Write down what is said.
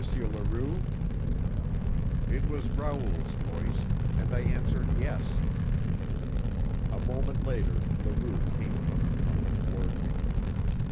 Leroux?" It was Raoul's voice, and I answered yes. A moment later Leroux came from the tunnel toward me.